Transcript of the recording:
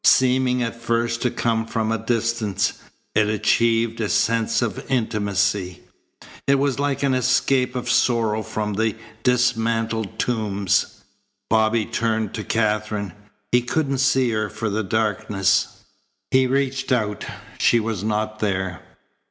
Seeming at first to come from a distance, it achieved a sense of intimacy. It was like an escape of sorrow from the dismantled tombs. Bobby turned to Katherine. He couldn't see her for the darkness. He reached out. She was not there.